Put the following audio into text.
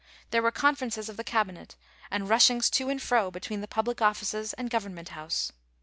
There were conferences of the Cabinet, and rushings to and fro between the public offices and Government House.